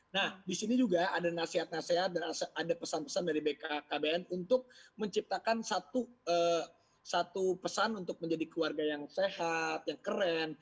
nah disini juga ada nasihat nasihat dan ada pesan pesan dari bkkbn untuk menciptakan satu pesan untuk menjadi keluarga yang sehat yang keren